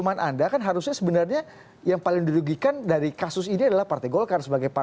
kita akan lanjutkan usai jurnal berikut ini tetaplah bersama kami